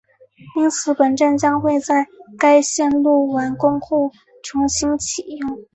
因此本站将会在该线路完工后重新启用